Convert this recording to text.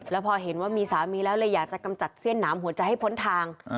แล้วพอเห็นว่ามีสามีแล้วเลยอยากจะกำจัดเสี้ยนหนามหัวใจให้พ้นทาง